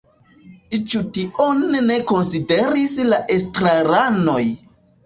Ĉu tion ne konsideris la estraranoj?